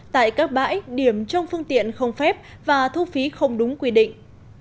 tại các bãi điểm trong phương tiện không phép và thu phí không đúng quy định